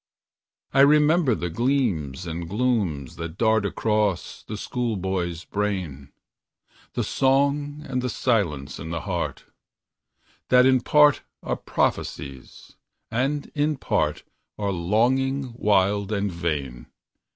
I remember the gleams and glooms that dart Across the schoolboy's brain; The song and the silence in the heart, That in part are prophecies, and in part Are longings wild and vain.